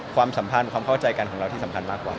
ความสัมพันธ์ความเข้าใจกันของเราที่สำคัญมากกว่า